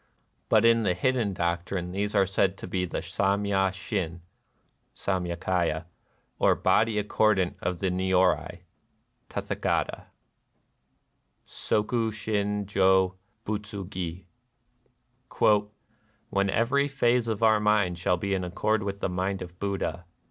But in the Hidden Doctrine these are said to be the Sammya Shin l^Samya Kayal, or Body Accordant of the Nyorai [Tathai gata]." SOKU SHIN JO BUTSU GI. " When every phase of our mind shall be in accord with the mind of Buddha